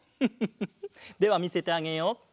フフフではみせてあげよう。